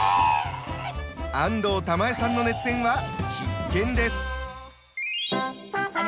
安藤玉恵さんの熱演は必見です。